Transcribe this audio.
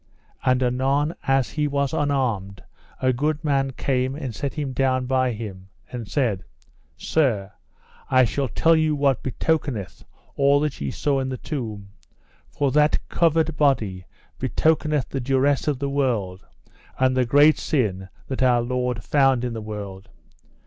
And anon as he was unarmed a good man came and set him down by him and said: Sir, I shall tell you what betokeneth all that ye saw in the tomb; for that covered body betokeneth the duresse of the world, and the great sin that Our Lord found in the world.